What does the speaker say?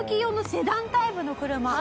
セダンタイプの車。